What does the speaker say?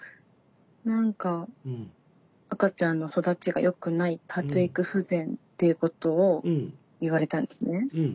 何か赤ちゃんの育ちがよくない発育不全ということを言われたんですね。